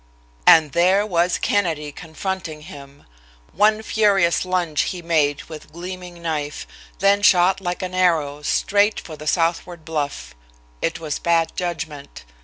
And there was Kennedy confronting him! One furious lunge he made with gleaming knife, then shot like an arrow, straight for the southward bluff. It was bad judgment.